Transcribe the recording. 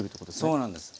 そうなんです。